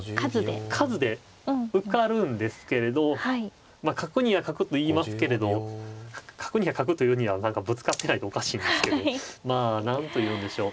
数で受かるんですけれどまあ角には角といいますけれど角には角というには何かぶつかってないとおかしいんですけど何というんでしょう